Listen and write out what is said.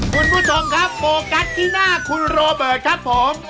คุณผู้ชมครับโฟกัสที่หน้าคุณโรเบิร์ตครับผม